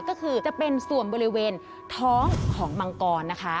ก็คือจะเป็นส่วนบริเวณท้องของมังกรนะคะ